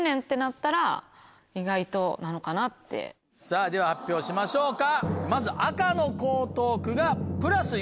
さぁでは発表しましょうか。